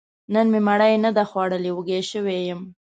نن مې مړۍ نه ده خوړلې، وږی شوی يم